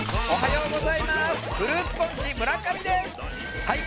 おはよう！